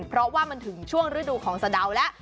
เพราะว่ามันถึงช่วงฤดูของสะดาวแล้ว